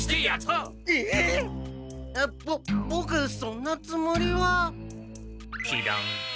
ボボクそんなつもりは。